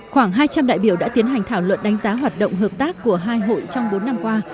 khoảng hai trăm linh đại biểu đã tiến hành thảo luận đánh giá hoạt động hợp tác của hai hội trong bốn năm qua